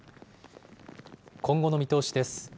今後の見通しです。